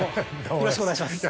よろしくお願いします